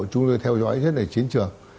chúng tôi theo dõi rất là chiến trường